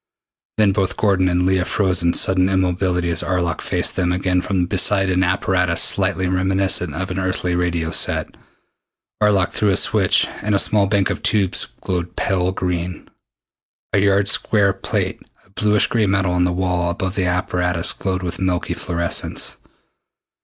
Then both Gordon and Leah froze into sudden immobility as Arlok faced them again from beside an apparatus slightly reminiscent of an earthly radio set. Arlok threw a switch, and a small bank of tubes glowed pale green. A yard square plate of bluish gray metal on the wall above the apparatus glowed with milky fluorescence.